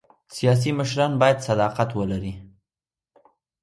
سیاسي مشران باید صداقت ولري